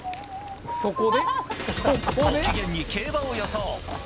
ご機嫌に競馬を予想。